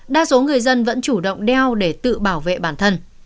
đa số người dân vẫn chủ động đeo để tự bảo vệ bản thân